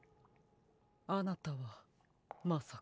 あなたはまさか？